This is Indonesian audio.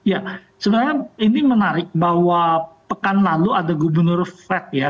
ya sebenarnya ini menarik bahwa pekan lalu ada gubernur fed ya